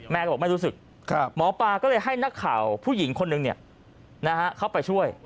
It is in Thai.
บอกไม่รู้สึกหมอปลาก็เลยให้นักข่าวผู้หญิงคนหนึ่งเข้าไปช่วย